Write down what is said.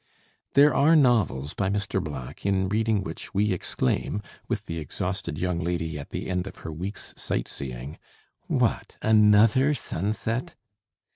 There are novels by Mr. Black in reading which we exclaim, with the exhausted young lady at the end of her week's sight seeing, "What! another sunset!"